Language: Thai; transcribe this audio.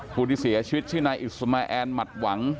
คู่ที่เสียชวิตชื่อนายอิสมแอนด์มัตต์หวัง